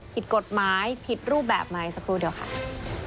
ผิดกฎหมายผิดรูปแบบไหมสักครู่เดียวค่ะ